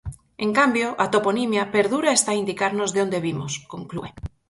En cambio, a toponimia perdura e está a indicarnos de onde vimos, conclúe.